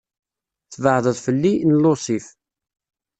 "Tbeεdeḍ fell-i" n Lusif.